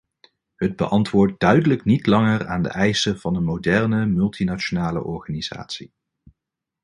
Het beantwoordt duidelijk niet langer aan de eisen van een moderne, multinationale organisatie.